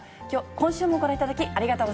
今週もご覧いただき、ありがとう